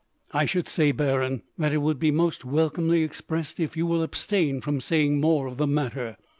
"I should say, Baron, that it will be most welcomely expressed, if you will abstain from saying more of the matter.